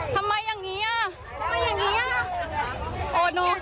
ทำไมอย่างนี้อ่ะทำไมอย่างนี้อ่ะ